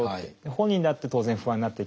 本人だって当然不安になっていきます。